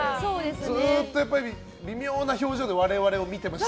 ずっとやっぱり微妙な表情で我々を見てました。